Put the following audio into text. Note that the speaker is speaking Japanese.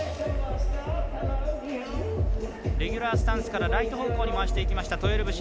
レギュラースタンスからライト方向に回していきました。